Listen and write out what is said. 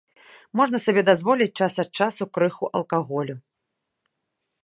Можна сабе дазволіць час ад часу крыху алкаголю.